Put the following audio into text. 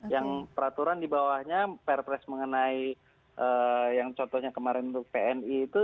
yang peraturan di bawahnya perpres mengenai yang contohnya kemarin untuk pni itu